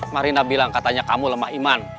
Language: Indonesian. marina bilang katanya kamu lemah iman